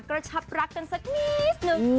กระชับรักกันสักนิดนึง